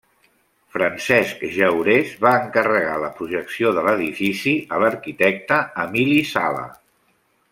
Francesc Jaurés va encarregar la projecció de l'edifici a l'arquitecte Emili Sala.